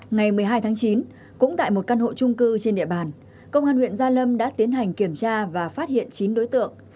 ngày một mươi hai tháng chín cũng tại một căn hộ trung cư trên địa bàn công an huyện gia lâm đã tiến hành kiểm tra và phát hiện chín đối tượng